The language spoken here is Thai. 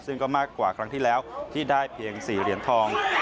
ซึ่งก็มากกว่าครั้งที่แล้วที่ได้เพียง๔เหรียญทอง